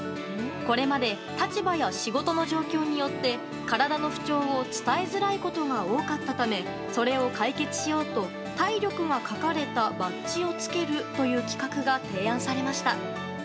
これまで立場や仕事の状況によって体の不調を伝えづらいことが多かったためそれを解決しようと体力が書かれたバッジをつけるという企画が提案されました。